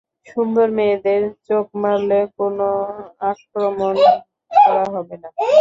সুন্দর মেয়েদের চোখ মারলে কোন আক্রমন করা হবে না!